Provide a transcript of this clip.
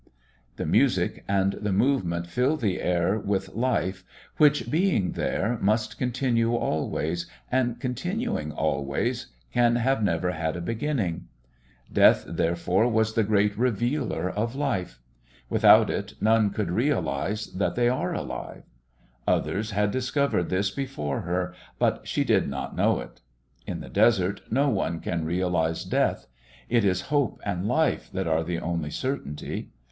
The music and the movement filled the air with life which, being there, must continue always, and continuing always can have never had a beginning. Death, therefore, was the great revealer of life. Without it none could realise that they are alive. Others had discovered this before her, but she did not know it. In the desert no one can realise death: it is hope and life that are the only certainty.